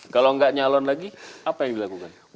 kalau nggak nyalon lagi apa yang dilakukan